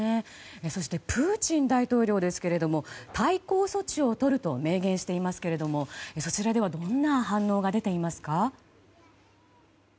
そしてプーチン大統領ですが対抗措置をとると明言していますけれどそちらではどんな反応が出ていますか？